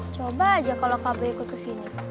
coba aja kalau kak boy ikut kesini